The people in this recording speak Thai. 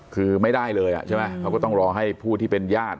คือไม่ได้เลยใช่ไหมเขาก็ต้องรอให้ผู้ที่เป็นญาติ